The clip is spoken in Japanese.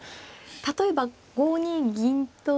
例えば５二銀と何か。